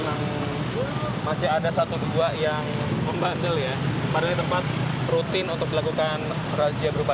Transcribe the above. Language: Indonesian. yang masih ada satu dua yang membatal ya pada tempat rutin untuk melakukan razia berupa